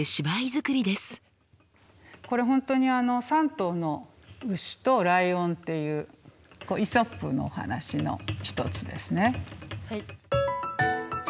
これ本当にあの「３頭の牛とライオン」っていう「イソップ」のお話の一つですね。